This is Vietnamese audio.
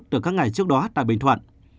từ các ngày trước đó tại bình thuận